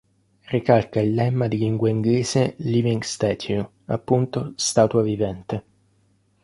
Ricalca il lemma di lingua inglese "living statue": appunto, "statua vivente".